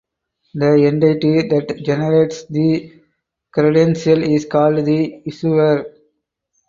The entity that generates the credential is called the "Issuer".